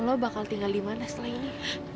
lo bakal tinggal dimana setelah ini